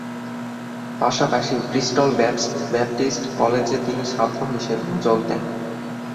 পাশাপাশি "Bristol Baptist কলেজে" তিনি ছাত্র হিসেবেও যোগ দেন।